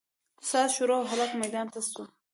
ساز شروع او هلک ميدان ته سو.